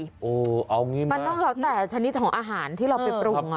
มันต้องรับแต่ชนิดของอาหารที่เราไปปรุง